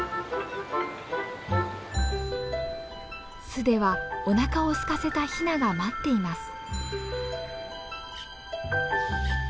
巣ではおなかをすかせたヒナが待っています。